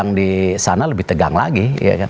yang di sana lebih tegang lagi